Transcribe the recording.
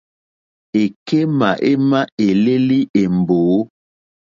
Èkémà émá èlélí è mbǒ.